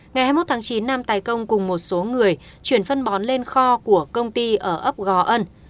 ngày hai mươi một tháng chín nam tài công cùng một số người chuyển phân bón lên kho của công ty ở ấp gò ân